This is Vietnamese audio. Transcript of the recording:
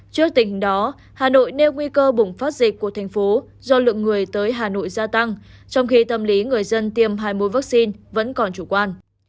trước tình hình đó hà nội nêu nguy cơ bùng phát dịch của thành phố do lượng người tới hà nội gia tăng trong khi tâm lý người dân tiêm hai mũi vaccine vẫn còn chủ quan